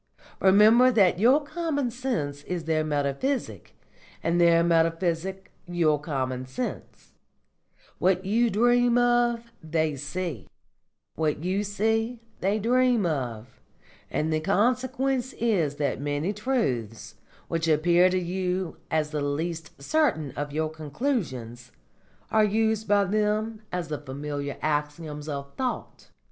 Remember that your common sense is their metaphysic, and their metaphysic your common sense; what you dream of, they see; what you see, they dream of; and the consequence is that many truths, which appear to you as the least certain of your conclusions, are used by them as the familiar axioms of thought.